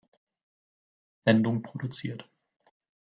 Sendung produziert.